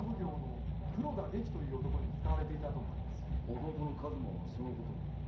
弟の数馬はそのことを？